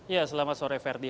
ya selamat sore ferdi